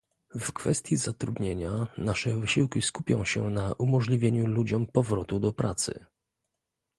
W kwestii zatrudnienia nasze wysiłki skupią się na umożliwieniu ludziom powrotu do pracy